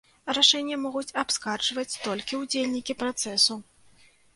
Рашэнне могуць абскарджваць толькі ўдзельнікі працэсу.